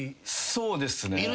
そうですね。